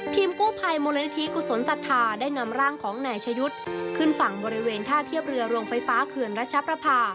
ทีมกู้ภัยมูลนิธิกุศลศรัทธาได้นำร่างของนายชะยุทธ์ขึ้นฝั่งบริเวณท่าเทียบเรือโรงไฟฟ้าเขื่อนรัชประพา